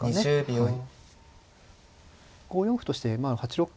はい。